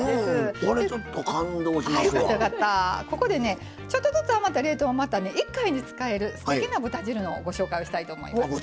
ここでねちょっとずつ余った冷凍をまた１回に使えるすてきな豚汁のご紹介をしたいと思います。